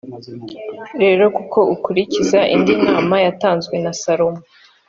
rero ko ukurikiza indi nama yatanzwe na salomo